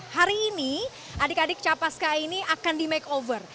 hari ini adik adik capaska ini akan di make over